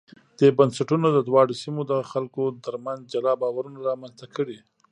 دې بنسټونو د دواړو سیمو د خلکو ترمنځ جلا باورونه رامنځته کړي.